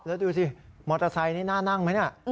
แล้วดูสิมอเตอร์ไซค์นี่น่านั่งไหมเนี่ย